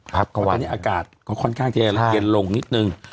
เพราะตอนนี้อากาศก็ค่อนข้างจะเย็นลงนิดนึง